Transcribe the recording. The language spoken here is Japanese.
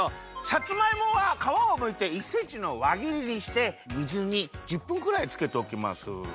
さつまいもはかわをむいて１センチのわぎりにして水に１０分くらいつけておきます。